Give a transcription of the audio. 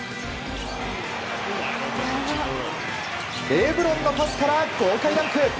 レブロンのパスから豪快ダンク。